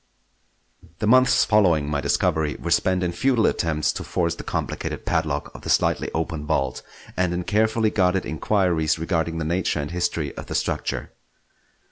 The months following my discovery were spent in futile attempts to force the complicated padlock of the slightly open vault, and in carefully guarded inquiries regarding the nature and history of the structure.